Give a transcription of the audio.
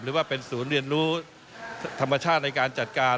หรือว่าเป็นศูนย์เรียนรู้ธรรมชาติในการจัดการ